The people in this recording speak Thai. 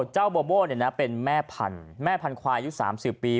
เจ้าโบโบ้เนี่ยนะเป็นแม่พันธุ์แม่พันธุ์ควายอยู่๓๐ปี